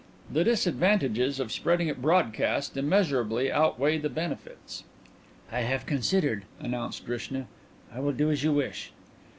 The disadvantages of spreading it broadcast immeasurably outweigh the benefits." "I have considered," announced Drishna. "I will do as you wish."